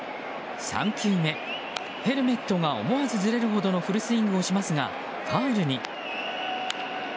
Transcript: ３球目、ヘルメットが思わずずれるほどのフルスイングをしますがファウルに。